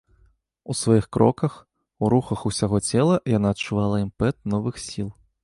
У сваіх кроках, у рухах усяго цела яна адчувала імпэт новых сіл.